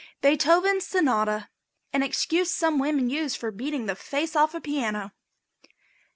BEETHOVEN'S SONATA. An excuse some women use for beating the face off a piano.